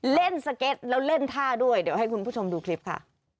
เล่นสเก็ตแล้วเล่นท่าด้วยเดี๋ยวให้คุณผู้ชมดูคลิปค่ะ